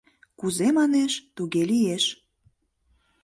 Кузе манеш — туге лиеш.